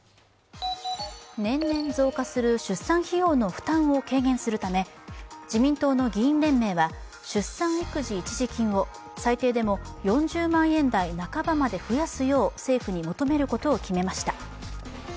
年々増加する出産費用の負担を軽減するため自民党の議員連盟は、出産育児一時金を最低でも４０万円台半ばまで増やすよう政府に求めることを決めました。